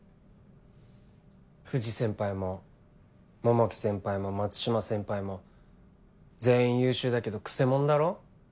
藤先輩も桃木先輩も松島先輩も全員優秀だけどくせ者だろ。